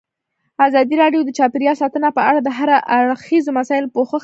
ازادي راډیو د چاپیریال ساتنه په اړه د هر اړخیزو مسایلو پوښښ کړی.